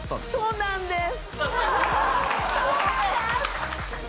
「そうなんです」。